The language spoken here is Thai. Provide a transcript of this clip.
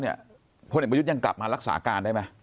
พลเอกประยุทธ์ยังกลับมารักษาการได้ไหม